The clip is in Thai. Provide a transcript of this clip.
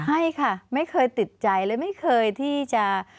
ให้ค่ะไม่เคยติดใจเลยไม่เคยที่จะ